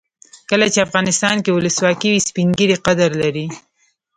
کله چې افغانستان کې ولسواکي وي سپین ږیري قدر لري.